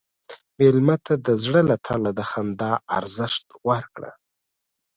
مېلمه ته د زړه له تله د خندا ارزښت ورکړه.